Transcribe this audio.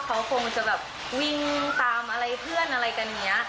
เขาคงจะแบบวิ่งตามอะไรเพื่อนอะไรกันอย่างนี้